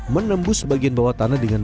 menembus bagian bawah tanah dengan